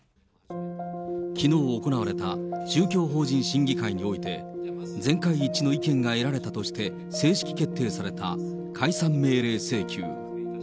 きのう行われた宗教法人審議会において、全会一致の意見がえられたとして、正式決定された解散命令請求。